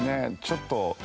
ちょっと」